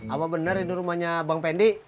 apa benar ini rumahnya bang pendi